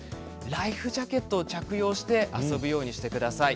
ライフジャケットを着用して遊ぶようにしてください。